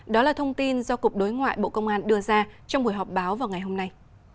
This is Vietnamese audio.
đó là thông tin do cục đối ngoại bộ công an đưa ra trong buổi họp báo vào ngày hôm nay